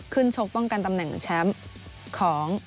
ชกป้องกันตำแหน่งแชมป์ของ